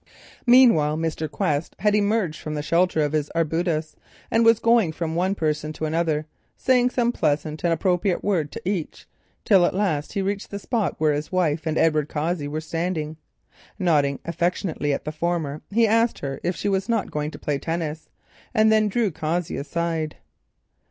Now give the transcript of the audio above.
Meanwhile Mr. Quest had emerged from the shelter of his arbutus, and going from one person to another, said some pleasant and appropriate word to each, till at last he reached the spot where his wife and Edward Cossey were standing. Nodding affectionately at the former, he asked her if she was not going to play tennis, and then drew Cossey aside.